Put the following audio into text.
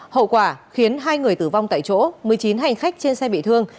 hậu quả khiến hai người tử vong tại chỗ một mươi chín hành khách trên xe bị thương